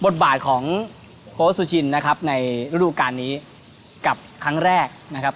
บทบาทของโค้ชสุชินนะครับในฤดูการนี้กับครั้งแรกนะครับ